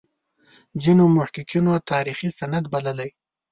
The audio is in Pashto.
ځینو محققینو تاریخي سند بللی.